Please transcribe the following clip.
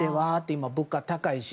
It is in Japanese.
今、物価高いし。